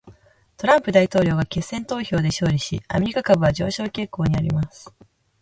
トランプ大統領が決選投票で勝利し、アメリカ株は上昇傾向にあります。